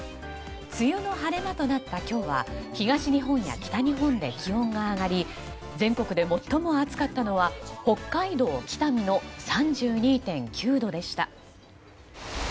梅雨の晴れ間となった今日は東日本や北日本で気温が上がり全国で最も暑かったのは北海道北見の３２．９度でした。